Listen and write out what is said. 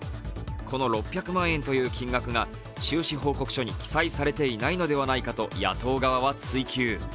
この６００万円という金額が収支報告書に記載されていないのではないかと野党側は追及。